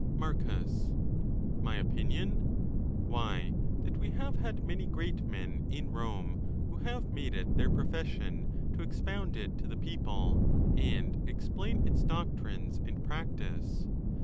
Marcus.—My opinion? Why, that we have had many great men in Rome, who have made it their profession to expound it to the people, and explain its doctrines and practice.